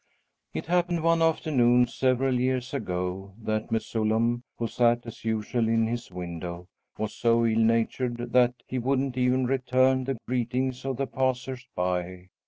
It happened one afternoon, several years ago, that Mesullam, who sat as usual in his window, was so ill natured that he wouldn't even return the greetings of the passers by.